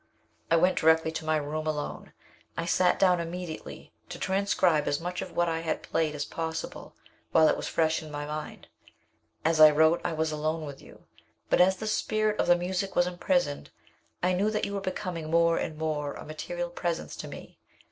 "I went directly to my room, alone. I sat down immediately to transcribe as much of what I had played as possible while it was fresh in my mind. As I wrote I was alone with you. But as the spirit of the music was imprisoned, I knew that you were becoming more and more a material presence to me.